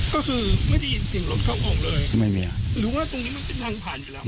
ก็คือไม่ได้ยินเสียงรถเข้าโอ่งเลยไม่มีอ่ะหรือว่าตรงนี้มันเป็นทางผ่านอยู่แล้ว